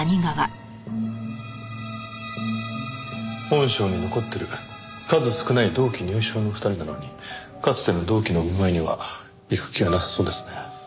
本省に残ってる数少ない同期入省の２人なのにかつての同期のお見舞いには行く気はなさそうですね。